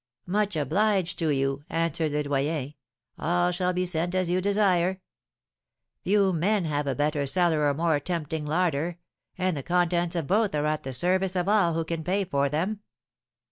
'Much obliged to you,' answered Le Doyen; 'all shall be sent as you desire. Few men have a better cellar or more tempting larder, and the contents of both are at the service of all who can pay for them.'